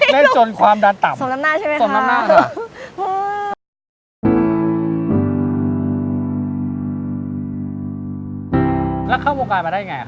เล่นจนความดันต่ำ